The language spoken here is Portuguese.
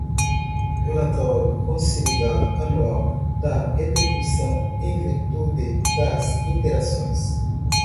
Relatório consolidado anual da repercussão em virtude das interações